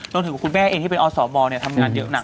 โดยถึงคุณแม่เองที่เป็นอสมทำงานเยอะหนักมาก